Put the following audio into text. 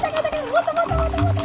もっともっともっと！